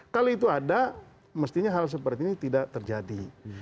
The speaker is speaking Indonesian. kalau itu ada mestinya hal seperti ini tidak terjadi